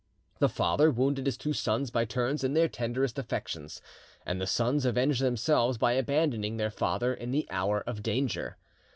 The father wounded his two sons by turns in their tenderest affections, and the sons avenged themselves by abandoning their father in the hour of danger.